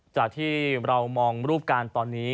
จากที่เรามองรูปการณ์ตอนนี้